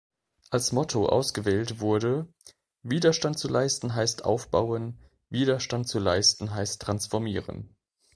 Als Motto ausgewählt wurde: „Widerstand zu leisten heißt aufbauen, Widerstand zu leisten heißt transformieren“.